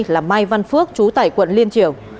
là mai văn phước chú tại quận liên triệu